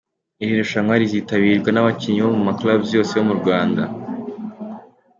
Iri rushanwa rizitabirwa n'abakinnyi bo mu ma clubs yose yo mu Rwanda.